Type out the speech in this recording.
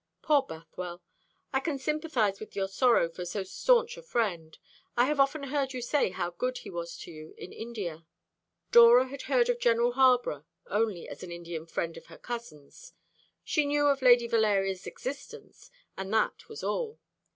Poor Bothwell! I can sympathise with your sorrow for so staunch a friend. I have often heard you say how good he was to you in India." Dora had heard of General Harborough only as an Indian friend of her cousin's. She knew of Lady Valeria's existence, and that was all.